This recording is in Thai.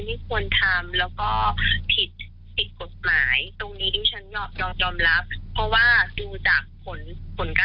ตกลงที่ว่ารถเนี่ยมันเป็นรถแบบสตาร์ทสูงอะค่ะ